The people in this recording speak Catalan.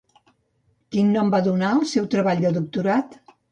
Quin nom va donar al seu treball de doctorat?